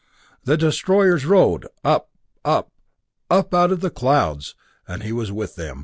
The destroyers rode up, up, up out of the clouds and he was with them.